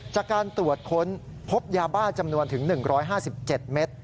จากการตรวจค้นพบยาบ้าจำนวนถึง๑๕๗เมตร